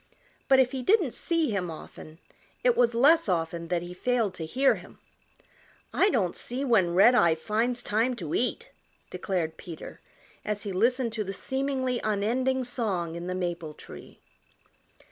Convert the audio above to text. But if he didn't see him often it was less often that he failed to hear him. "I don't see when Redeye finds time to eat," declared Peter as he listened to the seemingly unending song in the maple tree.